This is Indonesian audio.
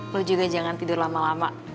lu juga jangan tidur lama lama